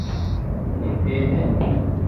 نږدې دی.